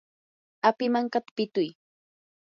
api mankata pituy.